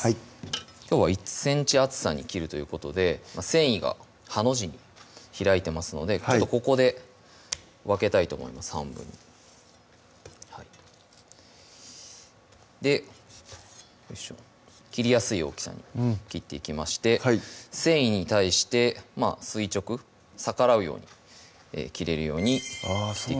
きょうは１ｃｍ厚さに切るということで繊維がハの字に開いてますのでここで分けたいと思います半分切りやすい大きさに切っていきまして繊維に対して垂直逆らうように切れるように切っていきます